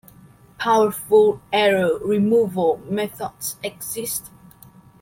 Powerful error removal methods exist.